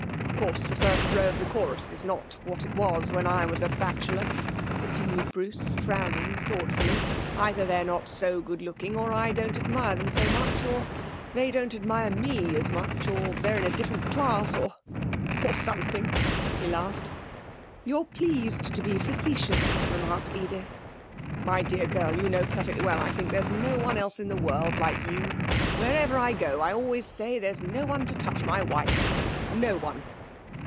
'Of course, the first row of the chorus is not what it was when I was a bachelor,' continued Bruce, frowning thoughtfully. 'Either they're not so good looking, or I don't admire them so much, or they don't admire me as much, or they're a different class, or or something!' he laughed. 'You're pleased to be facetious,' remarked Edith. 'My dear girl, you know perfectly well I think there's no one else in the world like you. Wherever I go I always say there's no one to touch my wife. No one!'